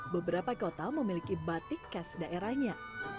beberapa kota memiliki batik khas daerahnya